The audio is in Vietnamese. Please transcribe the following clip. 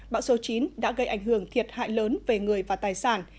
bão số chín đã gây ảnh hưởng thiệt hại lớn về người và tài sản